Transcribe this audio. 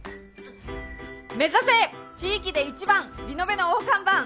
目指せ地域で一番リノベの大看板。